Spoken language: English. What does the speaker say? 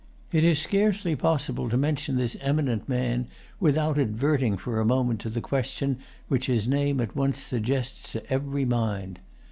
It is scarcely possible to mention this eminent man without adverting for a moment to the question which his name at once suggests to every mind.